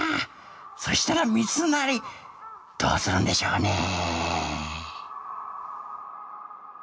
そしたら三成どうするんでしょうねえ。